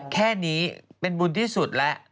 แค่นี้เป็นบุญที่สุดแล้ว